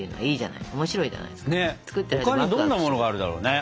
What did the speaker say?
他にどんなものがあるだろうね？